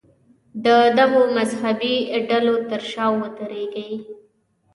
د دغو مذهبي ډلو تر شا ودرېږي.